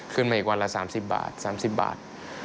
ขึ้นมาอีกวันละ๓๐บาท๓๐บาท